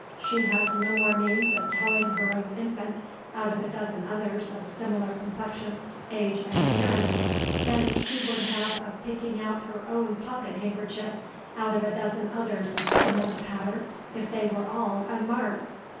She has no more means of telling her own infant out of a dozen others of similar complexion, age, and appearance, than she would have of picking out her own pocket handkerchief out of a dozen others of similar pattern if they were all unmarked."